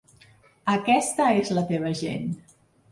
Aquesta és la teva gent.